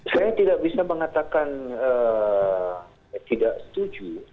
saya tidak bisa mengatakan tidak setuju